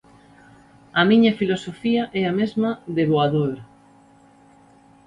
A miña filosofía é a mesma de Voadora.